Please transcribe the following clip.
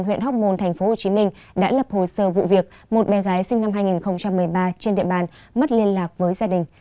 huyện hóc môn tp hcm đã lập hồ sơ vụ việc một bé gái sinh năm hai nghìn một mươi ba trên địa bàn mất liên lạc với gia đình